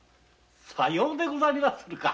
さようでござりまするか。